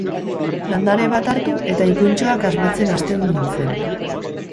Landare bat hartu, eta ipuintxoak asmatzen hasten nintzen.